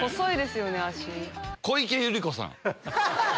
小池百合子さん。